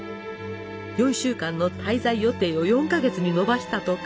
４週間の滞在予定を４か月に延ばしたとか。